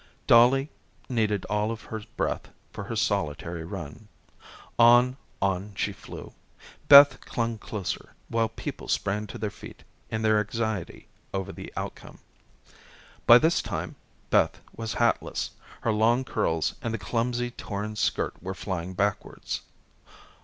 Dollie needed all of her breath for her solitary run. On, on, she flew. Beth clung closer, while people sprang to their feet in their anxiety over the outcome. By this time Beth was hatless. Her long curls and the clumsy torn skirt were flying backwards.